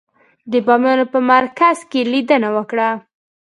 د بامیانو په مرکز کې لیدنه وکړه.